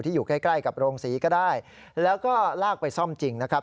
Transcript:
อยู่ใกล้ใกล้กับโรงศรีก็ได้แล้วก็ลากไปซ่อมจริงนะครับ